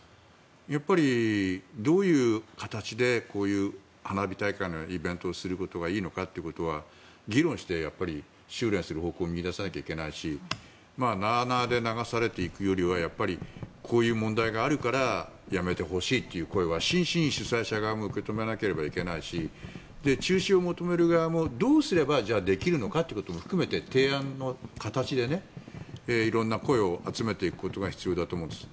やっぱりどういう形でこういう花火大会のイベントをすることがいいのかということは議論して収れんする方向を見いださなければいけないしなあなあで流されていくよりはこういう問題があるからやめてほしいという声は真摯に主催者側も受け止めなければいけないし中止を求める側もどうすればできるのかということも含めて提案の形で色んな声を集めていくことが必要だと思うんです。